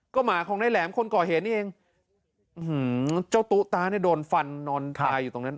ก็หมาของนายแหลมคนก่อเหตุนี่เองเจ้าตุ๊ตาเนี่ยโดนฟันนอนตายอยู่ตรงนั้น